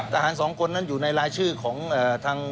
ทหารสองคนนั้นอยู่ในรายชื่อของทาง